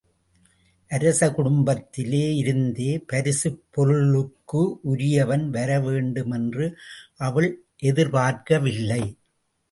அரச குடும்பத்திலே இருந்தே பரிசுப் பொருளுக்கு உரியவன் வரவேண்டும் என்று அவள் எதிர் பார்க்கவில்லை.